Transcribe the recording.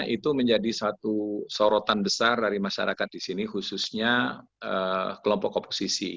itu menjadi satu sorotan besar dari masyarakat di sini khususnya kelompok oposisi